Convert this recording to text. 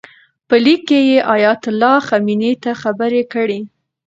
په لیک کې یې ایتالله خمیني ته خبرې کړي.